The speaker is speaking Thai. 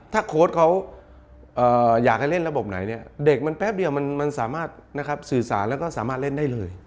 ถ้าโค้ดเขาอยากให้เล่นระบบไหนเนี่ยเด็กมันแป๊บเดียวมันสามารถสื่อสารแล้วก็สามารถเล่นได้เลย